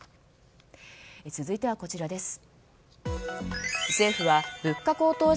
続いてはこちらです。